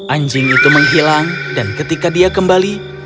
anjing itu menghilang dan ketika dia kembali